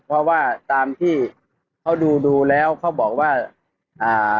เพราะว่าตามที่เขาดูดูแล้วเขาบอกว่าอ่า